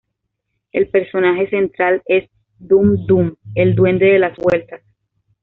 El personaje central es "Dum Dum", el "Duende de las Vueltas".